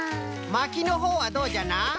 まきのほうはどうじゃな？